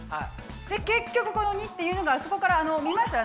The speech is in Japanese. で結局この②っていうのがあそこから見ました？